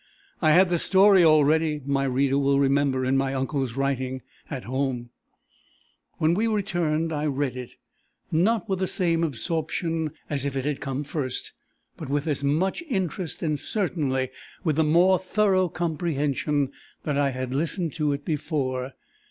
I had the story already, my reader will remember, in my uncle's writing, at home: when we returned I read it not with the same absorption as if it had come first, but with as much interest, and certainly with the more thorough comprehension that I had listened to it before.